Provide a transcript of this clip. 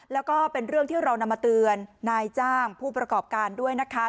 แล้วก็เป็นเรื่องที่เรานำมาเตือนนายจ้างผู้ประกอบการด้วยนะคะ